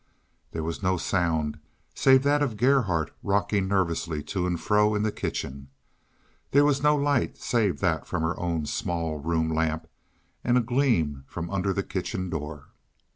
There was no sound save that of Gerhardt rocking nervously to and fro in the kitchen. There was no light save that of her own small room lamp and a gleam from under the kitchen door.